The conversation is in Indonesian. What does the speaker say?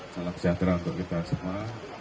salam sejahtera untuk kita semua